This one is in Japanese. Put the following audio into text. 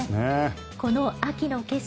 この秋の景色